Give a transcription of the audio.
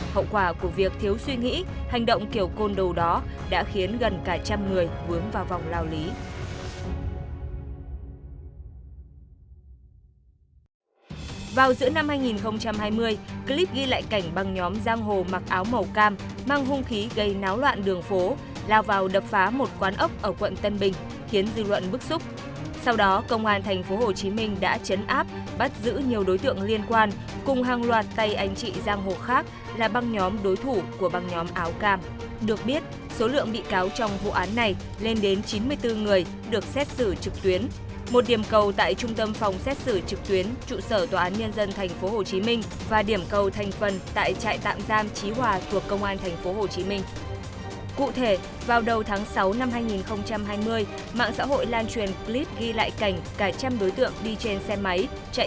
hậu quả của việc thiếu suy nghĩ hành động kiểu côn đầu đó đã khiến gần cả trăm người vướng vào vòng lào lý